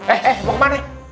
eh eh mau ke mana